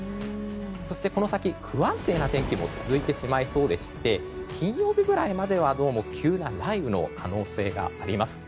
そしてこの先、不安定な天気も続いてしまいそうでして金曜日ぐらいまでは、どうも急な雷雨の可能性があります。